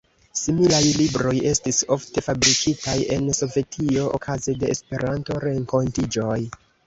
Similaj libroj estis ofte fabrikitaj en Sovetio okaze de Esperanto-renkontiĝoj.